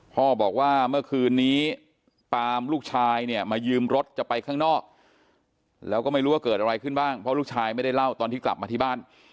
พ่อบอกว่าเมื่อคืนนี้ปามลูกชายเนี่ยมายืมรถจะไปข้างนอกแล้วก็ไม่รู้ว่าเกิดอะไรขึ้นบ้างเพราะลูกชายไม่ได้เล่าตอนที่กลับมาที่บ้าน